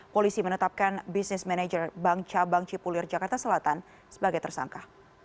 polisi menetapkan bisnis manajer bangca bangci pulir jakarta selatan sebagai tersangka